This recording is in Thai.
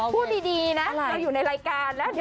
พูดดีนะเราอยู่ในรายการแล้ว